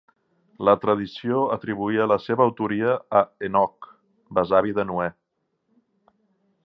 La tradició atribuïa la seva autoria a Henoc, besavi de Noè.